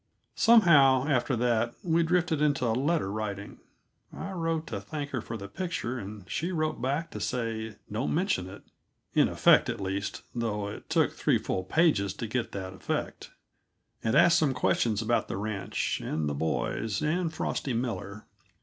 Somehow, after that, we drifted into letter writing. I wrote to thank her for the picture, and she wrote back to say "don't mention it" in effect, at least, though it took three full pages to get that effect and asked some questions about the ranch, and the boys, and Frosty Miller.